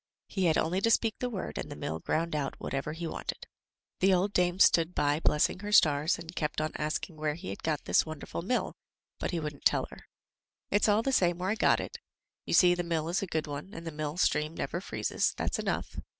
He had only to speak the word and the mill ground out whatever he wanted. i6o THROUGH FAIRY HALLS The old damp stood by blessing her stars, and kept on asking where he had got this wonderful mill, but he wouldn't tell her. "It's all the same where I got it. You see the mill is a good one, and the mill stream never freezes. That's enough."